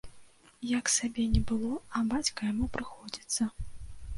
Як сабе не было, а бацька яму прыходзіцца.